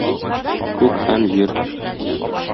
Күк һәм җир